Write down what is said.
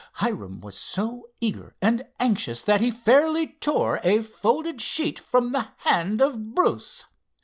Hiram was so eager and anxious that he fairly tore a folded sheet from the hand of Bruce.